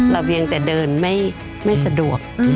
ระเวียงแต่เดินไม่สะดวก